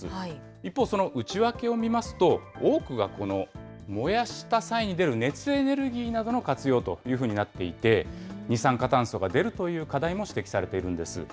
一方、その内訳を見ますと、多くがこの燃やした際に出る熱エネルギーなどの活用というふうになっていて、二酸化炭素が出るという課題も指摘されているんです。